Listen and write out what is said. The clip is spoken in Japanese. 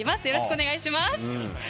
よろしくお願いします。